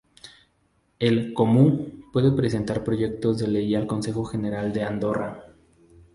El "comú" puede presentar proyectos de ley al Consejo General de Andorra.